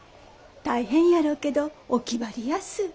大変やろうけどお気張りやす。